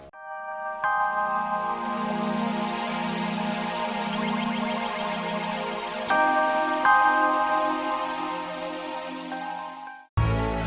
sampai jumpa lagi